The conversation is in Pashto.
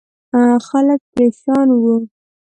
خلک پرېشان وو.